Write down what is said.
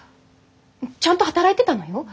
ちゃんと働いてたのよ？